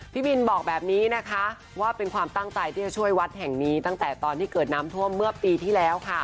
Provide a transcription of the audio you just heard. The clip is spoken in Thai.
พี่บินบอกแบบนี้นะคะว่าเป็นความตั้งใจที่จะช่วยวัดแห่งนี้ตั้งแต่ตอนที่เกิดน้ำท่วมเมื่อปีที่แล้วค่ะ